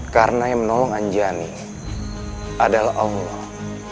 karena yang menolong anjani adalah allah